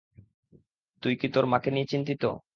তুই কি তোর মাকে নিয়ে চিন্তিত?